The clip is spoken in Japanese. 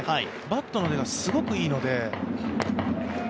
バットの出がすごくいいので。